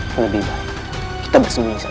lebih baik kita bersembunyi saja